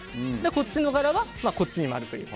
こっちの柄はこっちにもあるという。